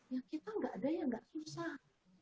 ya kita tidak ada yang tidak usah